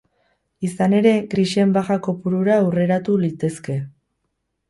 Izan ere, grisen baja kopurura hurreratu litezke.